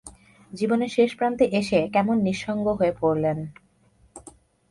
জীবনের শেষ প্রান্তে এসে কেমন নিঃসঙ্গ হয়ে পড়লেন।